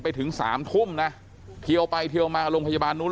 ไปถึงสามทุ่มนะเทียวไปเทียวมาโรงพยาบาลนู้น